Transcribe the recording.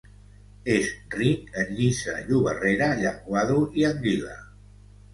És ric en llissa llobarrera, llenguado i anguila.